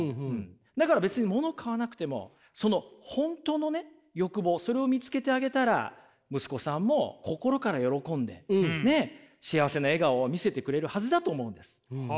だから別にもの買わなくてもその本当のね欲望それを見つけてあげたら息子さんも心から喜んでねっ幸せな笑顔を見せてくれるはずだと思うんです。